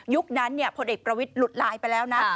นั้นพลเอกประวิทย์หลุดไลน์ไปแล้วนะ